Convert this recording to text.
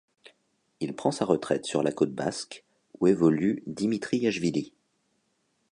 Il prend sa retraite sur la Côte Basque où évolue Dimitri Yachvili.